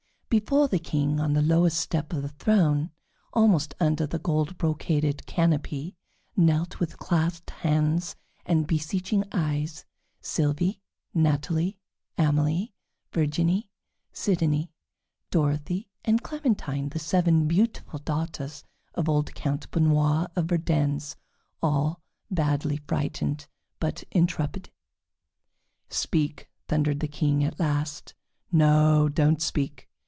Before the King, on the lowest step of the throne, almost under the gold brocaded canopy, knelt, with clasped hands and beseeching eyes, Sylvie, Natalie, Amelie, Virginie, Sidonie, Dorothée, and Clementine, the seven beautiful daughters of old Count Benoît of Verdennes, all badly frightened, but intrepid. "Speak!" thundered the King at last. "No, do not speak!